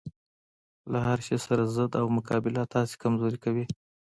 له هرشي سره ضد او مقابله تاسې کمزوري کوي